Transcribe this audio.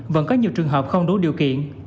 vẫn có nhiều trường hợp không đủ điều kiện